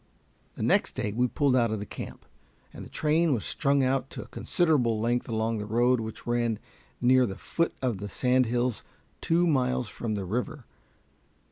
The next day we pulled out of the camp, and the train was strung out to a considerable length along the road which ran near the foot of the sand hills two miles from the river.